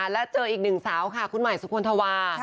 แล้วเจออีกหนึ่งสาวค่ะคุณใหม่สุคลธวา